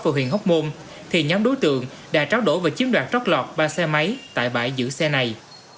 vào huyện hóc môn thì nhóm đối tượng đã tráo đổ và chiếm đoạt trót lọt ba xe máy tại bãi giữ xe này